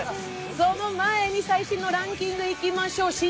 その前に最新のランキングいきましょう。